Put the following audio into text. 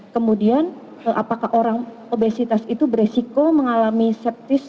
kemudian apakah orang obesitas itu beresiko mengalami septis